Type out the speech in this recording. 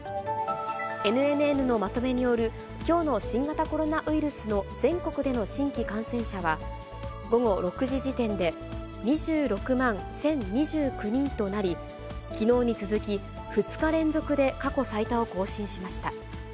ＮＮＮのまとめによるきょうの新型コロナウイルスの全国での新規感染者は、午後６時時点で、２６万１０２９人となり、きのうに続き、２日連続で過去最多を更新しました。